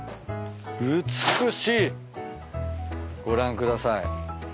ご覧ください。